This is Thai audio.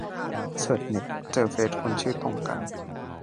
เสิร์ชเน็ต เจอเฟซคนชื่อตรงกัน